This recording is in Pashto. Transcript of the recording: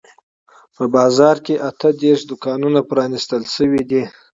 په بازار کې اته دیرش دوکانونه پرانیستل شوي دي.